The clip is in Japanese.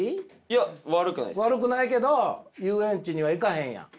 悪くないけど遊園地には行かへんやん。